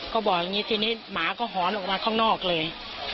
ก็บอกอย่างนี้ทีนี้หมาก็หอนออกมาข้างนอกเลย